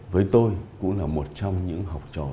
với tôi cũng là một trong những học trò